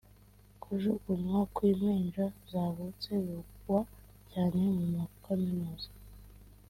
kujugunywa kw’impinja zavutse bivugwa cyane mu makaminuza